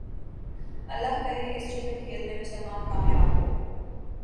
اللہ کرے اس چھپے کھیل میں مسلمان کامیاب ہو